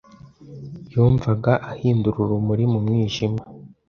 Yumvaga ahindura urumuri mu mwijima.